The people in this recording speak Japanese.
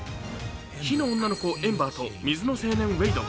火の女の子・エンバーと水の青年・ウェイド。